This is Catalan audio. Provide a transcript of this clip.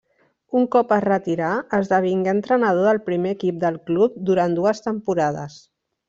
Un cop es retirà esdevingué entrenador del primer equip del club durant dues temporades.